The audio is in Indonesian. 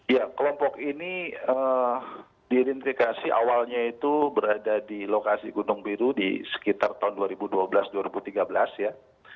ya kelompok ini diidentifikasi awalnya itu berada di lokasi gunung biru di sekitar tahun dua ribu dua belas dua ribu tiga belas ya